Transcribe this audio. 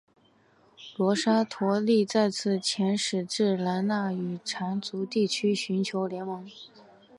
罗娑陀利再次遣使至兰纳与掸族地区寻求联盟。